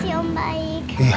apa sih om baik